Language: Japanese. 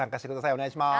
お願いします。